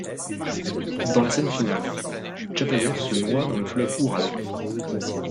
Dans la scène finale, Tchapaïev se noie dans le fleuve Oural.